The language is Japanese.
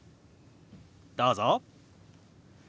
どうぞ。